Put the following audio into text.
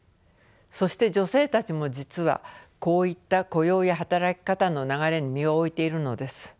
そして女性たちも実はこういった雇用や働き方の流れに身を置いているのです。